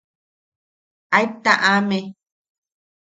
Aet taʼame.